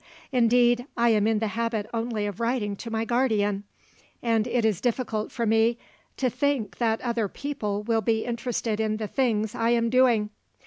Indeed, I am in the habit only of writing to my guardian, and it is difficult for me to think that other people will be interested in the things I am doing.